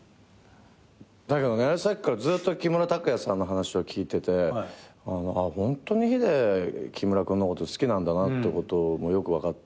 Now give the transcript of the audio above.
だけどねさっきからずっと木村拓哉さんの話を聞いててホントにヒデ木村君のこと好きなんだなってこともよく分かって。